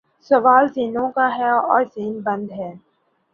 سوال ذہنوں کا ہے اور ذہن بند ہیں۔